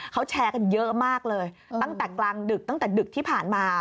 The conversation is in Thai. เขาแชร์กันเยอะมากเลยตั้งแต่กลางดึกตั้งแต่ดึกที่ผ่านมา